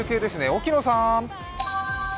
沖野さん。